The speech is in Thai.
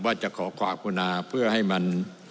ว่าจะขอความคุณาเพื่อให้มัน